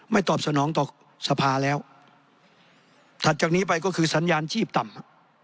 ตอบสนองต่อสภาแล้วถัดจากนี้ไปก็คือสัญญาณชีพต่ำ